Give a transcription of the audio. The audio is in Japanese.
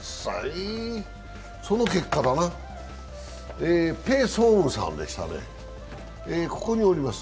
その結果ペ・ソンウさんでしたね、ここにおります